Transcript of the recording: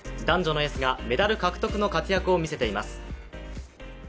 男女のエースがメダル獲得の活躍を見せています。